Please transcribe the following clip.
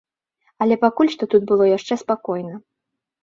Але пакуль што тут было яшчэ спакойна.